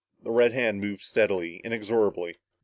The red hand moved steadily, inexorably.